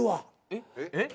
えっ？